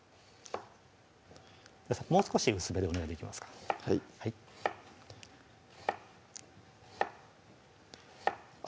もう少し薄めでお願いできますかはいあっ